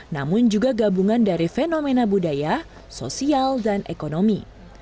namun juga gabungan dari fenomena budaya sosial dan ekonomi